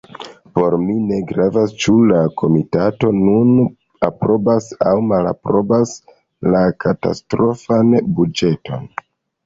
Por mi ne gravas, ĉu la komitato nun aprobas aŭ malaprobas la katastrofan buĝeton.